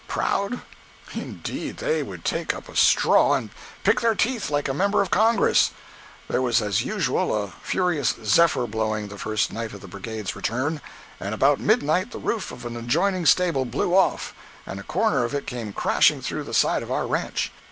—proud? Indeed, they would take up a straw and pick their teeth like a member of Congress. There was as usual a furious "zephyr" blowing the first night of the brigade's return, and about midnight the roof of an adjoining stable blew off, and a corner of it came crashing through the side of our ranch.